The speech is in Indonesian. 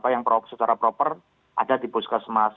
yang secara proper ada di puskesmas